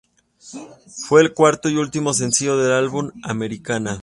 Fue el cuarto y último sencillo del álbum Americana.